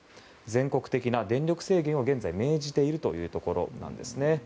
全国的な電力制限を命じているということですね。